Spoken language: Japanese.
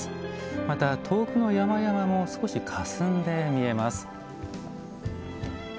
また、遠くの山々も少しかすんで見えます。